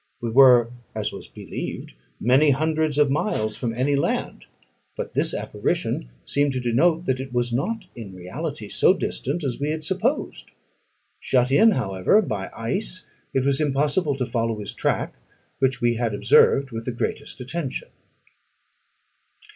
We were, as we believed, many hundred miles from any land; but this apparition seemed to denote that it was not, in reality, so distant as we had supposed. Shut in, however, by ice, it was impossible to follow his track, which we had observed with the greatest attention.